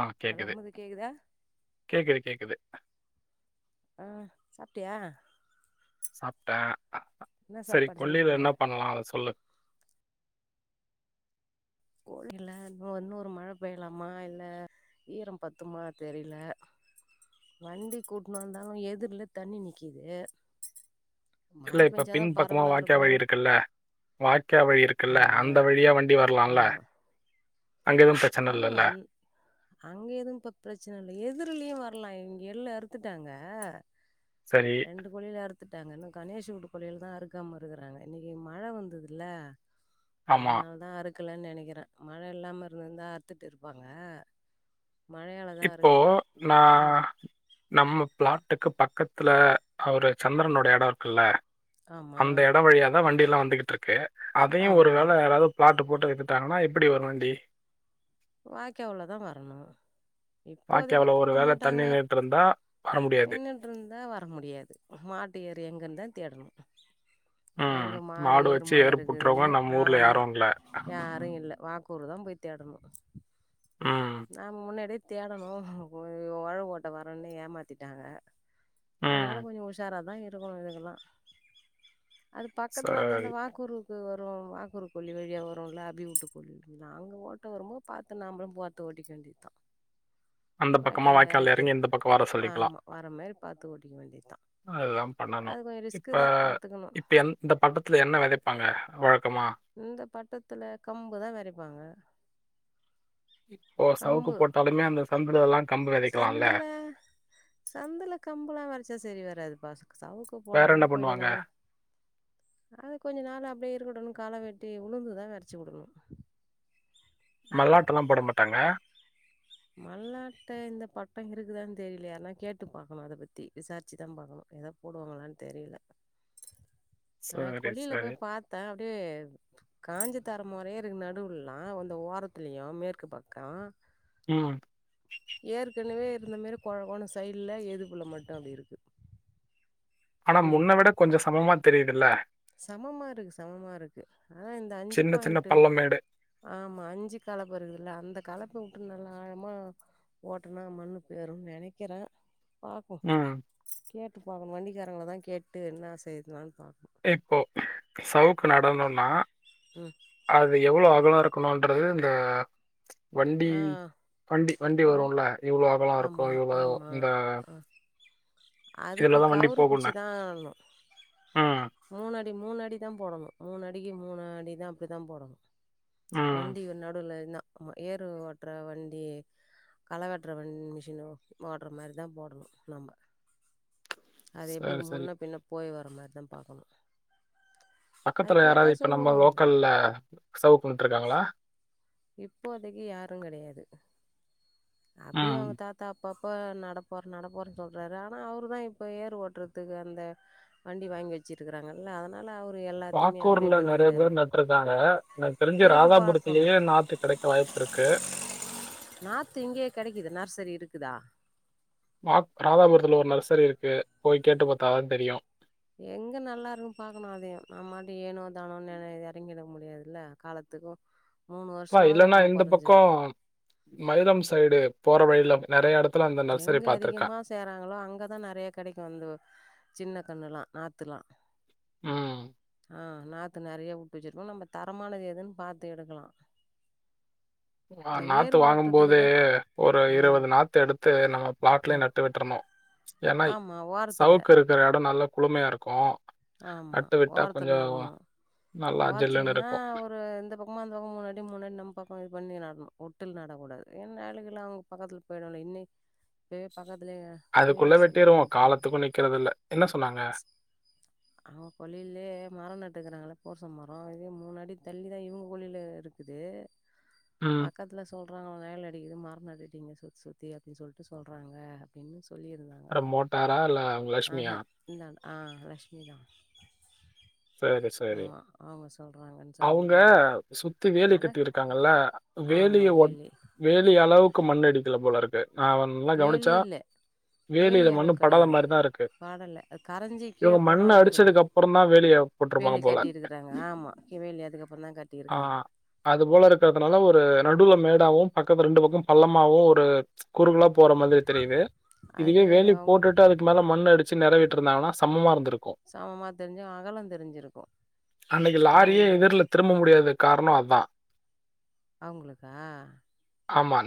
ஆ hello கேக்குது அமுது கேக்குதா கேக்குது கேக்குது ஆ சாப்டியா சாப்ட்டே சரி சாப்பாடு கொல்லேல செஞ்சீங்க என்ன பண்லா அத சொல்லு கொல்லேல இன்னோ இன்னோரு மழ பெய்லாமா இல்ல ஈரோ பத்துமா தெரில வண்டி கூட்னு வந்தாலு எதிர்ல தண்ணி நிக்கிது மழ இல்ல இப்ப பெஞ்சாதா பின் பக்கமா பரவலா வாய்கா இருக்கு வழி இருக்குல்ல வாக்யா வழி இருக்குல்ல ஆமா அந்த வழியா வண்டி வரலா ஆமா ஆ இல்லல்ல? வந் அங்க எதுவு இப்ப ப்ரச்சன இல்ல எதிர்லயு வர லா இங்க எள்ளு அறுத்துட்டாங்க சரி, ரெண்டு பொழில அறுத் த்துட்டாங்க இன்னு கணேசு ஊட்டு பொலில தா அறுக்காம இருக்றாங்க இன்னக்கு மழ வந்துதுல்ல ஆமா. அதனால தா அறுக்கலனு நெனைக்கறே மழ இல்லாம இருக் இருந்தா அறுத்துட்டு இருப்பாங்க மழையால தா இப்போ அறுக்கல நா ம் நம்ம பிளாட்டுக்கு பக்கத்துல அவரு சந்திரனோட எடோ இருக்குல்ல ஆமா அந்த எட வழியாதா வண்டில்லா வந்துகிட்ருக்கு அதையு ஒரு ஆமா. வேள யாராவது பிளாட் போட்டு வித்துட்டாங்னா எப்பிடி வரு வண்டி வாய்க்காவுளதா வரணு வாய்க்காவுள ஒரு வேள தண்ணி நின்னுட்ருந்தா நின்னுட்ருந்தா வர முடியாது மாட்டு ஏறி எங்கன்னுதா தேடணு ம். எங்க மாடு ஏறு வச்சு மாடு ஏர் பூட்டுறவங்க இருக்குதுன்னு நம்ம ஊர்ல ஆமா யாரும் இல்ல. யாரு இல்ல வாக்கூறு தா போய் தேடணு ம். நா முன்னாடியே தேடணு ஒழவோட்ட வர்றனு ஏமாத்திட்டாங்க அதனால ம். கொஞ்சோ உஷார தா இருக்கணு இதுக்கெலா அது பக்கத்துல அந்தந்த சரி. வாக்குறுவுக்கு வரு வாக்குறு கொல்லி வழியா வருல அபி ஊட்டு பொலிக்கு அங்க ஓட்ட வரும்போ பாத்து நாம்பளு பாத்து ஓட்டிக்க வேண்டியதா அந்த பக்கமா வாய்க்கால்ல வாய்க்கால் எறக்கிரு இறங்கி, இந்த பக்கம் வர சொல்லிக்கலாம். ஆமா வர மாரி பாத்து ஓட்டிக்க வேண்டியதா அதுதா பண்ணணு இப்ப பாத்துக்கணு இப்ப எ இந்த பட்டத்துல என்ன வெதப்பாங்க வழக்க இந்த பட்டத்துல கம்புதா வெதைப்பாங்க இப்போ சவுக்கு போட்டாலுமே அந்த சந்துலெல்லா கம்பு வெதைக்கலால்ல சந்துல சந்துல கம்புலா வெதச்சா சரி வராதுபா சவுக்கு வேற போடணுனா என்ன கொஞ்ச பண்ணுவாங்க? நாள் அது கொஞ்ச நாள் அப்டியே உடணு கள வெட்டி உளுந்துதா வெதச்சுடணு மல்லாட்டல்ல போட மாட்டாங்க மல்லாட்ட இந்த பட்ட இருக்குதானு தெரிலியே யாரனா கேட்டு பாக்கணு இத பத்தி விசாரிச்சுதா பாக்கணு ப்ப எதோ போடுவாங்களானு தெரில ஆ சரி, கொளில சரி. போய் பாத்தே அப்டியே காஞ்ச தார மாரியே இருக்கு நடுவுலல்லா அந்த ஓரத்துலயு மேற்கு பக்க ம் இந்த மாரி கொழகொழனு சைடுல எதுபள்ள மட்டு அப்டி இருக்கு ஆனா ம் முன்ன விட கொஞ்ச சமமா தெரியுதில்ல சமமா இருக்கு சமமா இருக்கு ஆனா இந்த அஞ்சு சின்ன சின்ன பாயிண்ட் பள்ளமேடு. ஆமா அஞ்சு கலப்பு இருக்குதுல்ல அந்த கலப்பு ட்டு நல்லா ஆழமா ஓட்டனா மண்ணு போயிருன் நெனைக்கிறே பாப்போ ம். கேட்டு பாக்கணு வண்டிக்காரங்கள தா கேட்டு என்னா செய்றதுலான் பாக்கணு இப்போ சவுக்கு நடணுனா ம் அது எவ்ளோ அகல இருக் கணுன்றது இந்த வண்டி ஆ வண்டி வண்டி வண் வருல்ல இவ்ளோ அகல இருக்கு ஆமா இவ்ளோ ஆமா இந்த ஆ அதுக்கு இதுல தான் வண்டி கவுரு புடிச்சு போகும்னு. தா அளனு ம். மூனடி மூணடி தா போடணு மூணடிக்கு மூணடி தா அப்டி தா போடணு ம். வண்டிக்கு நடுல நின்னா ஏரு ஓட்ற வண்டி கள வெட்ற வண் மிஷினு ஓடற மாரிதா போடணு நம்ம அது எப்படி சரி, சரி. முன்ன பின்ன போய் வர மாரிதா பாக்கணு பக்கத்துல யாராது இப்ப நம்ம லோக்கல்ல சவுக்கு நட்ருக்காங்ளா இப்போதைக்கு யாரும் கிடையாது அப்பயும் ம். அவங்க தாத்தா அப்பப்ப நடப்போற நடப்போறனு சொல்றாரு ஆனா அவரு தா இப்ப ஏறு ஓட்டுறதுக்கு அந்த வண்டி வாங்கி வச்சிரு இருக்காங்கல்ல அதனால வாக்கூர்ல நிறைய பேர் நட்டுருக்காங்க எனக்கு தெரிஞ்சு கேட்டு பார்க்கணும் ராதாபுரத்திலயே நாத்து கிடைக்க வாய்ப்பு இருக்கு நாத்து இங்கேயே கிடைக்குது நர்சரி இருக்குதா நாக் ராதாபுரத்துல ஒரு நர்சரி இருக்கு போய் கேட்டு பார்த்தா தா தெரியும் எங்க நல்லா இருக்குன்னு பாக்கணும் அதையும் நம்மட்டு ஏனோ தானம் இறங்கிட முடியாதுல்ல காலத்து த்துக்கும் ஆ இல்லன்னா இந்த பக்கம் மைலம் சைடு போற வழியில நிறைய இடத்துல அந்த நர்சரி எங்க பார்த்துருக்கேன். அதிகமா சேறாங்களோ அங்கதா நிறைய கிடைக்கும் வந்து சின்ன கண்ணலா நாத்துலா உம் ஆ நாத்து நிறைய விட்டு வச்சுருக்கோ நம்ம தரமானது எதுன்னு பார்த்து எடுக்கலா ஆ நா ஏர் நாத்து வாங்கும் போதே ஓட்றதுக்குதா ஒரு ஆ இருபது நாத்து எடுத்து நம்ம ஆ பிளாட்ல நட்டு விட்றனு ஏன்னா ஆமா ஓரத்துல சவுக்கு இருக்கிற இடம் நல்ல குழுமையா இருக்கு ஆமா ஓரத்துல நடனு நல்லா ஜில்லுன்னு ஓரத்தலன்னா இருக்கும். ஒரு இந்த பக்கமா அந்த பக்கம் மூணு அடி மூணு அடி நம்ம பக்கம் இது பண்ணி நடணும் ஒட்டில் நடக்கூடாது என்ன ஆளுங்கள அவங்க பக்கத்து போய்டுவாள்க இன்னி இப்ப பக்கத்து அதுக்குள்ள வெட்டிடுவோ காலத்துக்கும் நிக்கிறது இல்ல என்ன சொன்னாங்க அவங்க கொல்லிலயே மரம் நட்டுக்கிறாங்கள போர்ச மரம் இதே மூணாடி தள்ளி தா இவங்க கொள்ளில இருக்குது ம். பக்கத்துல சொ ல்றாங்க நெழல் அடிக்கிது மரொ நடுடிங்க சுத் சுத்தி அப்டின் சொல்ட்டு சொல்றாங்க அப்டின்னு சொ அர மோட்டாரா இல்ல அவ்ங்க லஷ்மியா ஆஹா இந்தாண்ட ஆ லக்ஷ்மிதா சேரி சேரி சொல்றாங்கன்னு அவுங்க சொல்லியிருந்தா சுத்தி வேலி ஆனா கட்டிருக்காங்கல்ல ஆமா வேலிய ஒட் வேலி வேலி அளவுக்கு மண் அடிக்கில போலருக்கு ஆ அவ நல்லா வேலி கவனிச்சா இல்ல வேலி வேலியில மண்ணு அளவு படாத கெடையாது மாரிதா இருக்கு பாடல்ல அது கரஞ்சி கீழ இவ்ங்க போனா மண்ண எப்டி இருக்கு அடிச்சதுக்கப்பறந்தா வேலிய போட்டிருப்பாங்க வேலி போல. கட்டிருக்குறாங்க ஆமா இ வேலி அதுக்கப்பறந்தா கட்டியிருக்காங்க அதுப் போல ம் இருக்குறதுனால ஒரு நடுவுல மேடாவு பக்கத்து ரெண்டு பக்கொ பள்ளமாவு ஒரு அ குறுகலா போற மாதிரி தெரியிது இதுவே அது வேலி அவங்க போட்டுட்டா அதுக்கு மேல மண்ணடி ச்சி நெறவிட்ருந்தாங்கனா சமமா இருந்துருக் சமமா தெரிஞ்சு அகலொ அன்னக்கி லாரியே எதுர்ல திரும்ப முடியாதுக் கார்ணொ அதா அவ்ங்களுக்கா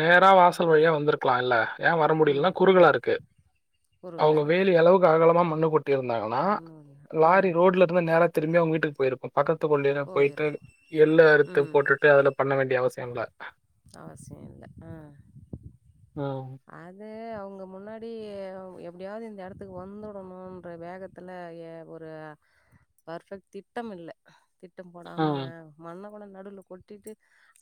நேரா வாசல் வழியா வந்த்ருக்கலா இல்ல ஏ வர ம் முடியலன்னா ம் குறுகலா இருக்கு குறுகலா அவ்ங்க இருக்கு வேலி அளவுக்கு அகலமா மண்ண கொட்டியிருந்தாங்கன்னா மண்ணு லாரி ஆ ரோட்ல இருந்து நேரா திரும்பி அவ்ங்க வீட்டுக் போய்ருக்கு பக்கத்து கொள்ளைல போய்ட்டு போயிருக்கும் எள்ள அறுத்து ம் போட்டுட்டு அதுல பண்ண வேண்டிய அவசியொ இல்ல அவசியொ இல்ல அ ம். அது அவ் ங்க முன்னாடி எப்டியாவ்து இந்த எடத்துக்கு வந்துடணுன்ற வேகத்துல ஏ ஒரு பர்ஃபெக்ட் திட்டம் இல்ல திட்டம் போடாம ம். மண்ண கொண் வந்து நடுவுல கொட்டிட்டு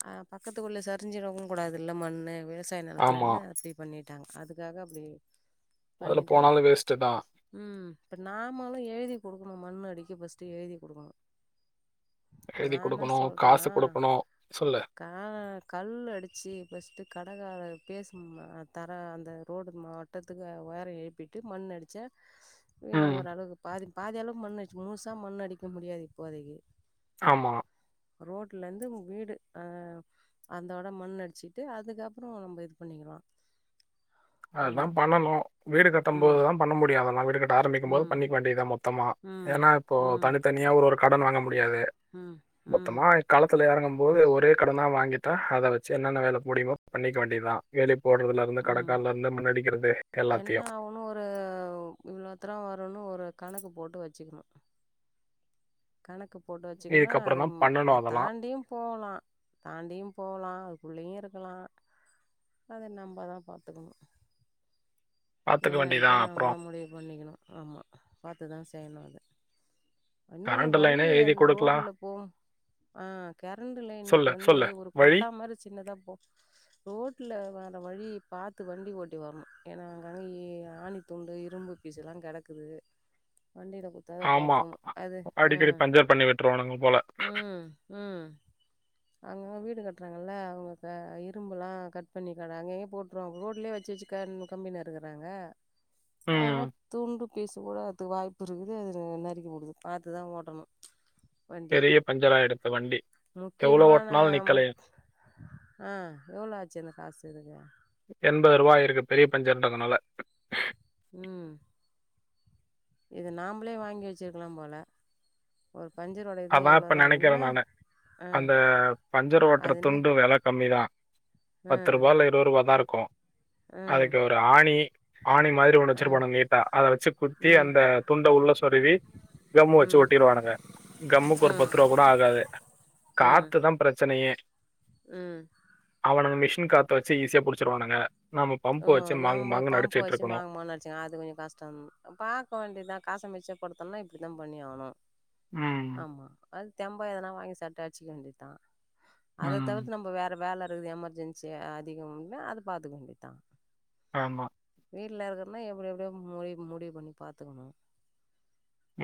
ஆ பக்கத்துக்குள்ள சரிஞ்சிரவு கூடாதுல்ல மண்ணு வெ வசாய ஆமா. நெலத்துலன்னு அப்டி பண்ணிட்டாங்க அதுக்காக அப்டி அதுல போனாலு வேஸ்ட்டுதா இப்போ நாமளு எழுதி குடுக்கணு மண் அடிக்க ஃபர்ஸ்ட்டு எழுதி குடுக்கணு எழுதி நா என்ன குடுக்கணு காசு சொல்றேன்னா குடுக்கணு கா கல் அடிச்சு, ஃபஸ்ட்டு கடலால பேசும்மா தர அந்த ரோடு மாட்டத்துக்கு, உயர எழுப்பிட்டு மண் அடிச்சே ம் ஓரளவுக்கு பாதி பாதி அளவுக்கு மண் அடிச்சு, முழுசா மண் அடிக்க முடியாது இப்போதைக்கு ஆமா ரோட்ல இருந்து வு வீடு அ அந்தோட மண் அடிச்சிட்டு, அதுக்கப்புறோ நம்ம இது பண்ணிக்கலா அதுதா ஆமா பண்ணணு வீடு கட்டும் ம் போதுதா பண்ண முடியு அதெல்லா வீடுங்கன்டு ஆரம்பிக்கும் போது ம் பண்ணிக்க வேண்டியதுதா மொத்தம் மா ம் ஏனா இப்போ ம் தனித்தனியா ஒரு ஒரு கடன் வாங்க மு டியாது ம் ம் மொத்தமா கலத்துல எறங்க போது ஒரே கடனா வாங்கிட்டா, அத வச்சு என்னென்ன வேல முடியுமோ பண்ணிக்க வேண்டியதா. வேலி போடுறதுல இருந்து கட ம் என்ன ஆகனு ஒரு இவ்ளோத்துர வருனு ஒரு கணக்கு போட்டு வச்சுக்கணு. கணக்கு போட்டு வச்சுங்கன்னா, அது இதுக்கப்புறம் தான் பண்ணணும் அத் அதெல்லாம் தாண்டியு போலா, தாண்டியு போலா, அதுக்குள்ளையு இருக் போலா, அத நம்ம தா பாத்துக்கணு பார்த்துக்க என்னன்ட்டு வேண்டியதுதான் நாம தா அப்புறம் முடிவு பண்ணிக்கணு, ஆமா பாத்துதா செய்யணு அது இன்னொன்னு கரண்ட் வழி லைனே எழுதி அந்த கொடுக்கலாம் ரோடுல போ ஆ கரண்டுலைனுக்கு சொல்லு வந்து, சொல்லு ஒரு வழி கொட்டா மாரி சின்னதா போ ரோட்டுல வ வழி பாத்து வண்டி ஓட்டி வரணு, ஏன்னா அங்கங்க இ ஆணி துண்டு, இரும்பு பீஸெல்லா கடக்குது. வண்டியில குத்தாது ஆமா பாத்துக்கணு அடிக்கடி பஞ்சர் பண்ணி விட்ருவானுங்க போல அங்க வீடு கட்றாங்கல்ல அவங்க க இரும்புல்லா கட் பண்ணி கடா அங்கங்க போட்ருவாங்க, ரோட்லயே வச்சு, வச்சு கம் கம்பினு இருக்கறாங்க ம் அனால துண்டு பீசு கூட அதுக்கு வாய்ப்பு இருக்குது அது நறுக்க முடியுது. பாத்து தா ஓட்டணு வண்டிய பெரிய பஞ்சராயிடுத்து வண்டி, எவ்வளவு முக்கியமான ஓட்னாலு மட் நிக்கலையே ஆ எவ்ளோ ஆச்சு அந்த காசு இதுக்கு எண்பது ரூபா ஆயிருக்கு பெரிய பஞ்சருண்ரதுனால ம் இது நாம்பளே வாங்கி வெச்சருக்கலா போல ஒரு பஞ்சரோட இதா அதா இப்ப எவ்ளோதா அது நெனைக்கிறே என்ன நானு ஆ அந்த பஞ்சர் ஓட்டுற அது என்ன துண்டு வெல கம்மிதா ஆ பத்து ரூபா இல்ல இருபது ரூபா தா இருக்கு ஆ அதுக்கு ஒரு ஆணி ஆணி மாதிரி ஒண்ணு ஆ வெச்சுருப்பானுங்க நீட்டா அத வெச்சு குத்தி ம் அந்த துண்ட உ ள்ள சொருவி கம்மு வச்சு ம் ஒட்டிருவானுங்க கம்முக்கு ஒரு ம் பத்து ரூபா கூட ஆகாது ம் ம் காத்துதா பிரச்சனையே ம் அவனுங்க மிஷின் காத்த வெச்சு ஈஸியா புடிச்சிருவானுங்க பம்பு வெச்சு ம். நம்ம பம்பு வச்சு மாங்கு மாங்குனு அடிச்சனா அது கொஞ்ச கஷ்டம் பாக்க வேண்டியதா காச மிச்ச படுத்தோம்னா இப்டி தா பண்ணி ஆகணு ம். ஆமா அது தெம்பா எதனா வாங்கி சாப்ட நேனசுக்க வேண்டி தா அத ம். தவிர்த்து நம்ம வேற வேல இது எமர்ஜென்சி அதிகம்னா அத பாத்துக்க வேண்டியதா ஆமா வீட்டுல இருக்கறனா எப்டி எப்டியோ முடி முடிவு பண்ணி பாத்துக்கணு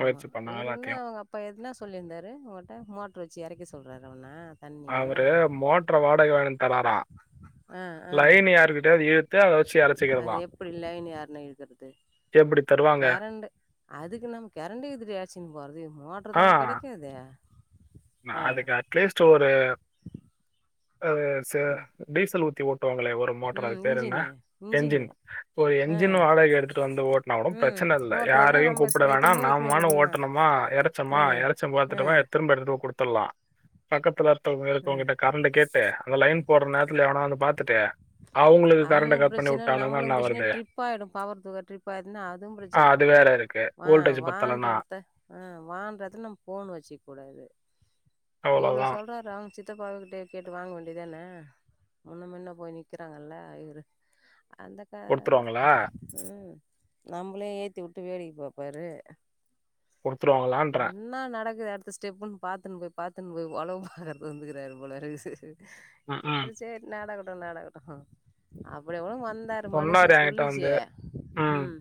ஆமா பண்ணோம் இவரு என்ன எல்லாத்தையும். அவங்க அப்பா எதுனா சொல்லியிருந்தாரு உங்கட்ட மோட்டரு வச்சு எறைக்க சொல்றாறா உன்ன அவரு மோட்டர் வாடக வாங்கினு வந்து தராரா ஆ, ஆ. லைன்னு யாருக்கிட்டயாவது ஏ அது எப்டி லைன்ன யார்ணா இழுக்குறது எப்டி தருவாங்க? கரண்டு அதுக்கு நம் கரண்டக்கு எடுத்துடு அழுச்சுன்னு போறது மோடரு தானே கெடைக்காது நா அதுக்கு அட்லீஸ்ட் ஒரு ஆ ச ம் டீசல் உ ஊத்துவாங்களே ஒரு மோட்டரு அது ம் பேர் என்ன இன்ஜினு இன்ஜினு என்ஜின் ஒரு ஆ என்ஜின் வாடகை எடுத்துட்டு வந்து ஓட்டன கூட ம் பிரச்சன ன இல்ல ஓட்டுறதுனா யாரையும் நம்ம எத்து கூப்புடவேனா எத்துன்னு போய் எத்துன்னு போய் நம்மானு குடுக்கலா ஓட்டன்னுமா ஏறைச்சமா ஆ எறச்ச ஆ பாத்துடமா திரும்ப எடுத்துட்டு குடுத் குடுத்லா பக்கத்துல ஆ இருக்கவங்க கிட்ட கரண்ட கேட்டு அந்த லைன் போடுற நேரத் ல எவனா வந்து பாத்துட்டு அவுளுக்கு பிரச்சனை நம்மளுக்கு பிரச்சனை வருது? ட்ரிப் ஆயிடும் பவர் த ட்ரிப் ஆயிடு பவர் ட்ரிப் ஆயிடுச்சுனா அதுவு ஆ பிரச்சனை அது நம்ம வேற இருக்கு. ஆ வோல்டேஜ் வான்ற பத்தலன்னா, எடத்த ஆ வான்ற எடத்துல நம்ம போனு வச்சுக்க கூடாது இவ்ளோ அவ்வளோதான். சொல்றாரு அவுங்க சித்தப்பா கிட்டயே கேட்டு வாங்க வேண்டியதான முன்ன முன்ன போய் நிக்கிறாங்கல்ல இவரு அந்தக்கததா குடுத்துருவாங்களா? ம் நம்மளையே ஏத்தி வுட்டு வேடிக்கை பாப்பாரு குடுத்துருவாங்களான்றேன். என்ன நடக்குது ஸ்டெப்புன்னு பாத்துன்னு போய் பாத்துன்னு போய் உலவு பாக்க வந்துக்குறாரு போலருக்கு சேரி ம்ஹ்ம். சேரி நடக்கட்டு நடக்கட்டு அப்டி அப்டி மாத் ந்தாரு மனுஷே சொன்னாரு என்கிட்ட சொல்லுச்சே வந்து, ம்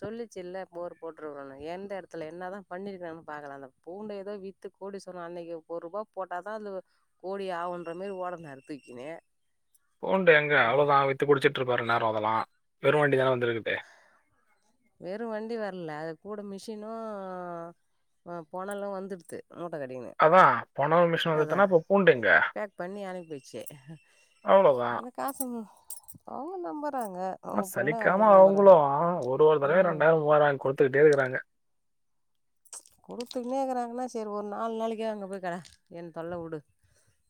சொல்லிச்சு இல்ல ஃபோர் போட்ருவனு எந்த எடத்துல என்ன தா பண்ணிருக்குறாங்கனு பாக்கலா அந்த பூண்ட எதோ வித்து போட் கூடுத்சி அன்னைக்கி ஒரு ரூபா் போட்டா தா அது கோடி ஆகுன்ற மாரி ஓடனாரு தூக்கினு பூண்டு எங்க அவ்ளோதா வித்து குடிச்சிட்ருப்பாரு இன்னேரோ அதல்லா வெறுவண்டி தா வந்துருக்குது வெறு வண்டி வரல அது கூட மிஷினு போனலும் வந்துடுது மூட்ட கட்டினு அதான் போன ஒரு மிஷன் அதா வந்துதுன்னா, அப்ப பூண்டு எங்க? ஃபேக் பண்ணி அனுப்பியாச்சு அவ்வளோதான். அந்தகாசு அவுங்க நம்பறாங்க ஆனா அவுங்க புள்ள அவுங்க நம்புறாங்க இப்பவே ம் ரெண்டாயிரோ மூவாயிரோ வாங்கி குடுத்துக்கிட்டே இருக்குறாங்க குடுத்துக்குன்னே இருக்குறாங்கன்னா சேரி ஒரு நாலு நாளைக்கி அங்கப் போய் கெட என் தொல்ல உடு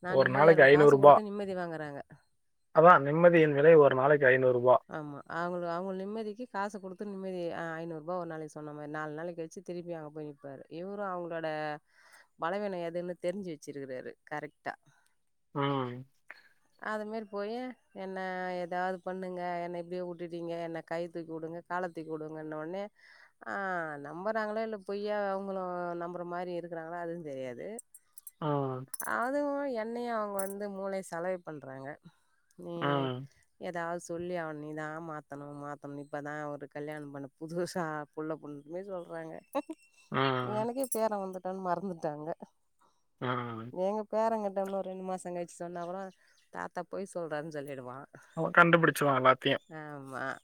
நா ஒரு நிம்மதியாக இரு நாளைக்கு ரூ. காசு குடுத்து நிம்மதி வாங்குறாங்க அதான் நிம்மதியின் விலை ஒரு நாளைக் ஆமா அவுங்க அவுங்களுக்குத அவுங்க நிம்மதிக்கு காச குடுத்து நிம்மதிய அ ஐநூறு ரூபா நாளைக்கு சொன்ன மாதிரி நாலு நாளைக்கு வச்சு திருப்பி ஆப்பு வாங்கிப்பாரு இவரு அவுங்களோட பலவின எதுன்னு தெரிஞ்சு வச்சுருக்குறாரு கரெக்டா ம் அது மாரி போய் என்ன ஏதாது பண்ணுங்க என்ன இப்டியே வுட்டுடீங்க என்ன கை தூக்கி வுடுங் காலத் தூக்கி உடுங்கன்னோன்னே ஆ நம்புறாங்களே இல்ல பொய்யா அவுங்களும் நம்புற மாரி இருக்குறாங்களா அதுவு தெரியாது ம். அதுவு என்னையு அவுங்க வந்து மூளை சலவை பண்றாங்க நீ ம். எதாவது சொல்லி அவன நீ தா மாத்தணு மாத்தணு இப்ப தா அவரு கல்யாணம் பண்ண புதுசாக புள்ள புள்ளனே சொல்றாங்க ம். எனக்கே பேரே வந்துட்டான்னு மறந்துட்டாங்க ம். எங்க பேரங்கிட்ட இன்னு ரெண்டு மாசோ கழிச்சு சொன்னா கூட தாத்தா பொய் சொல்றான்னு சொல்லிடுவா அவ கண்டுபுடிச்சுருவா எல்லாத்தியும் ஹா..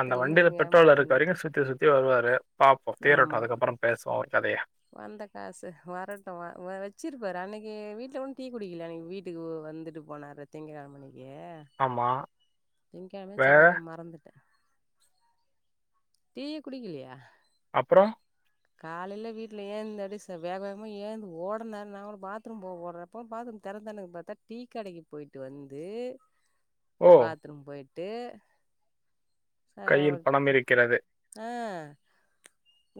அந்த வண்டில பெட்ரோல் இருக்க வரைக்கு சுத்தி சுத்தி வருவாரு பாப்போம் தீரட்டு ஆமா அதுக்கப்பறோ பேசுவோ ஒரு கதைய வந்த காசு வரட்டு வ வச்சிருப்பாரு அன்னிக்கி ஏ வீட்டுல ஒன்னும் டீ குடிக்கல அன்னிக்கி வீட்டுக்கு வ வந்துட்டு போனாரு திங்கழ அன்னிக்கு ஆமா. திங்க கெழமை வே செவ்வா கெழம மறந்துட்டே டீ குடிக்கலையா அப்றோ காலையில வீட் ஏந்தோட்டி சொ வேக வேகமா ஏந்து ஓடனாரு நா பாத்ரூம் போக ஓட்றப்போ பாத்ரூம் தெறந்து தான இருக்கு டீ கடைக்கு போயிட்டு வந்து ஓ! பாத்ரூம் பொயிட்டு ஆ கையில் ஒக் பணம் இருக்கிறது.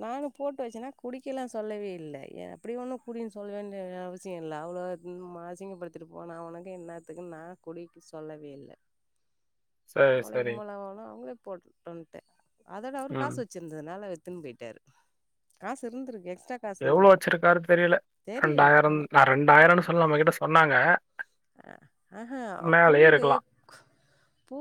நானு போட்டு வச்சேன்னா குடி ல்லா சொல்லவே இல்ல எ அப்டி ஒன்னு குடினு சொல்லவேண்டிய அவசிய இல்ல அவ்ளோ அசிங்கப்படுத்திட்டு போன நா உனக்கு என்னத்துக்கு நா குடிக் சொல்லவே இல்ல சரி, சரி. வழக்கம் போல அவளு அவளே போட்ருன்ட்டே அதோட அவரு ம். காசு வெச்சிருந்ததுனால த்துனு போயிட்டாரு காசு இருந்ருக்கு எவ்ளோ வச்சிருக்காரு தெரில தெரியல ரெண்டாயிரம் ஆமா நா ரெண்டாயிரன் சொல் நம்மகிட்ட சொன்னாங்க அ அஹா மேலயே பூண்டு இருக்கலாம். பூ